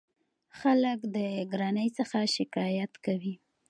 خلک د ګرانۍ څخه شکایت کوي.